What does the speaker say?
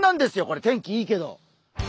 これ天気いいけど。